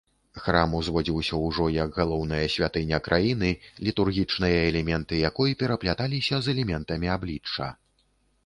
Храм узводзіўся ўжо як галоўная святыня краіны, літургічныя элементы якой перапляталіся з элементамі аблічча.